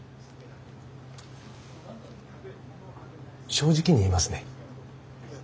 正直に言いますね。